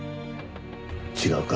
違うか？